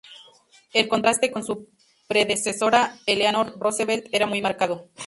El contraste con su predecesora Eleanor Roosevelt era muy marcado.